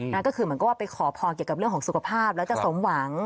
นั่นก็คือเหมือนกับว่าไปขอพองเสียงของสุขภาพและสมหวัง